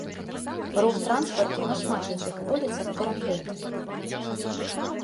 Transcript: Рух транспарту на шмат якіх вуліцах перакрыты.